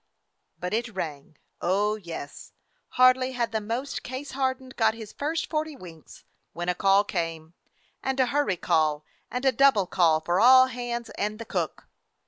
But it rang, oh yes ! Hardly had the most 268 A FIRE DOG OF NEW YORK case hardened got his first forty winks when a call came, and a hurry call and a double call for all hands and the cook.